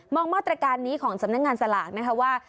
องมาตรการนี้ของสำนักงานสลากนะคะว่า